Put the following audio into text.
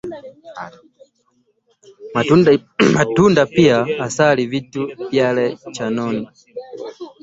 Matunda pia asali, vitu vyae chanoni,